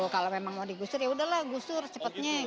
kalau memang mau digusur yaudahlah gusur cepatnya